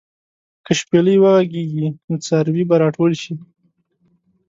که شپېلۍ وغږېږي، نو څاروي به راټول شي.